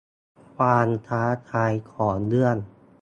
ความท้าทายของเรื่อง